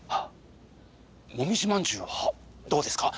もみじまんじゅうはどうですか？